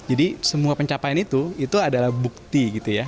jadi semua pencapaian itu itu adalah bukti gitu ya